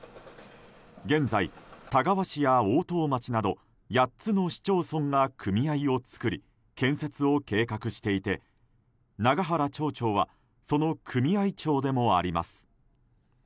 現在、田川市や大任町など８つの市町村が組合を作り建設を計画していて永原町長はその組合長でもあります。